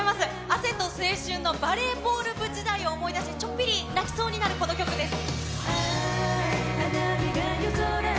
汗と青春のバレーボール部時代を思い出し、ちょっぴり泣きそうになる、この曲です。